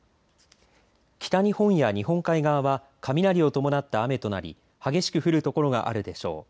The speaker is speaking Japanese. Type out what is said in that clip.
北日本や日本海側は雷を伴った雨となり激しく降るところがあるでしょう。